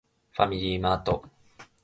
ファミリーマート